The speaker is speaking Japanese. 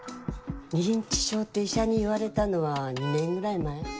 認知症って医者に言われたのは２年ぐらい前。